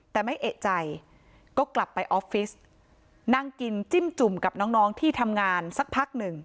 แต่ไม่เอกใจก็กลับไปออฟฟิศนั่งกินจิ้มจุ่มกับน้องที่ทำงานสักพักหนึ่ง